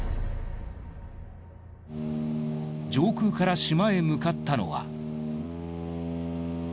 上空から島へ向かったのは。